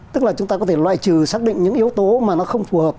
tức là chúng ta có thể loại trừ xác định những yếu tố mà nó không phù hợp